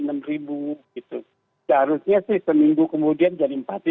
seharusnya sih seminggu kemudian jadi empat